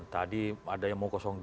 tadi ada yang mau dua